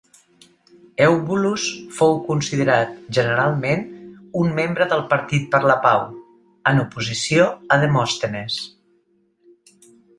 Eubulus fou considerat generalment un membre del "partit per la pau", en oposició a Demòstenes.